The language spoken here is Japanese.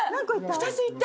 ２ついった！